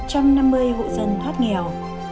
một trăm năm mươi hộ dân thoát nghèo